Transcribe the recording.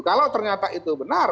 kalau ternyata itu benar